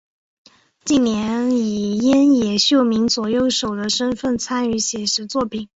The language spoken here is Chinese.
近年以庵野秀明左右手的身份参与写实作品。